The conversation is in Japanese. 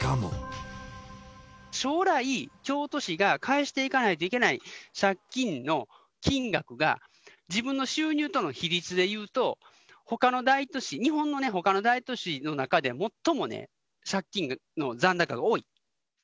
将来、京都市が返していかないといけない借金の金額が自分の収入との比率でいうと、ほかの大都市、日本のほかの大都市の中でいうと、最も借金の残高が多い。